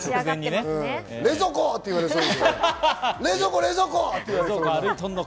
冷蔵庫！って言われそう。